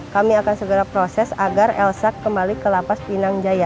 kami akan segera proses agar elsa kembali ke lapas pinang jaya